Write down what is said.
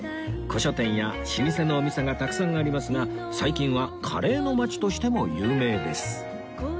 古書店や老舗のお店がたくさんありますが最近はカレーの町としても有名です